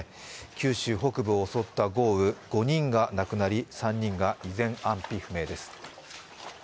九州北部を襲った豪雨、５人が亡くなり、３人が依然、安否不明です。